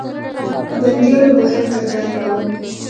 بندیانو به هلته کار کاوه.